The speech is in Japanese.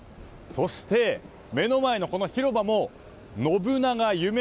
そして、目の前のこの広場も信長ゆめ